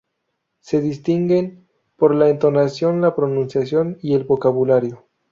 Se distinguen por la entonación, la pronunciación y el vocabulario.